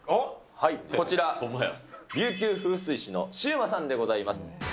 はい、こちら、琉球風水志のシウマさんでございます。